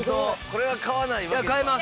これは買わないわけには。